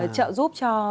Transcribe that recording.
trợ giúp cho